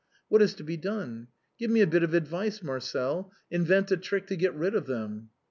" What is to be done? Give me a bit of advice, Marcel. Invent a trick to get rid of them."